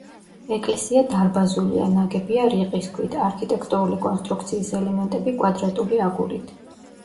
ეკლესია დარბაზულია, ნაგებია რიყის ქვით, არქიტექტურული კონსტრუქციის ელემენტები კვადრატული აგურით.